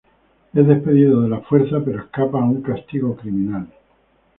Es despedido de la fuerza, pero escapa a un castigo criminal.